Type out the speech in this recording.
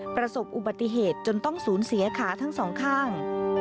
ประสบอุบัติเหตุจนต้องสูญเสียขาทั้งสองข้าง